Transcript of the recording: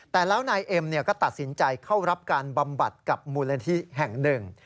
แต่แล้วนายเอ็มก็ตัดสินใจเข้ารับการบำบัดกับมูลนิธิแห่งหนึ่ง